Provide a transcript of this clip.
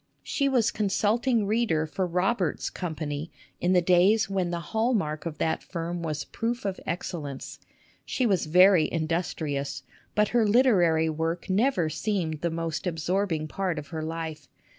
She was consulting reader for Roberts Com ly in the days when the hall mark of that firm was proof of excellence. She was very industrious, but her literary work never seemed the most absorbing part of her life.